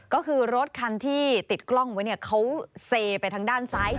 ก็คือรถคันที่ติดกล้องไว้เนี่ยเขาเซไปทางด้านซ้าย